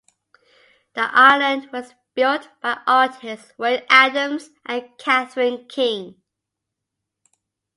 The island was built by artists Wayne Adams and Catherine King.